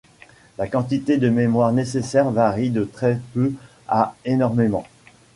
La quantité de mémoire nécessaire varie de très peu à énormément.